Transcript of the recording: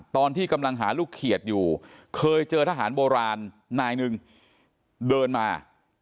ตอนที่กำลังหาลูกเขียดอยู่เคยเจอทหารโบราณนายหนึ่งเดินมา